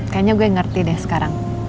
kayaknya gue ngerti deh sekarang